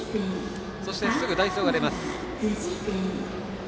そして、すぐ代走が出ます。